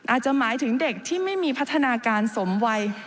อาจจะหมายถึงเด็กที่ไม่มีพัฒนาการสมวัย